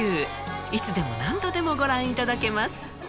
いつでも何度でもご覧いただけます